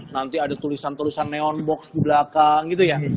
nanti ada tulisan tulisan neon box di belakang gitu ya